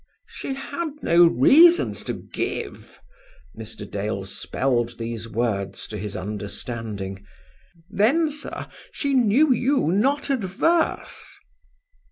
"She had no reasons to give?" Mr. Dale spelled these words to his understanding. "Then, sir, she knew you not adverse?"